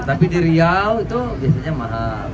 tapi di riau itu biasanya mahal